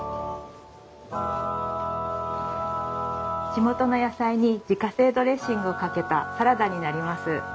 地元の野菜に自家製ドレッシングをかけたサラダになります。